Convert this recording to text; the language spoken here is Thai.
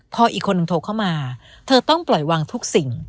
พออีกคนนึงโทรเข้ามาเธอต้องปล่อยวางทุกสิ่ง